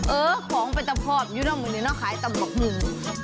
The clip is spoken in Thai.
เออของไปตัมพอบอยู่หน้ามืนหน้าขายตัมเบอกมือ